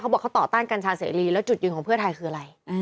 บอกเขาต่อต้านกัญชาเสรีแล้วจุดยืนของเพื่อไทยคืออะไร